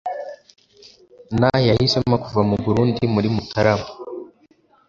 na yahisemo kuva mu burundi muri mutarama